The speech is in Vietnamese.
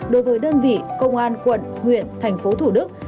đối với đơn vị công an quận huyện tp hcm